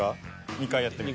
２回やってみて。